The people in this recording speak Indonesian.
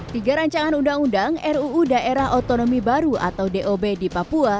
tiga rancangan undang undang ruu daerah otonomi baru atau dob di papua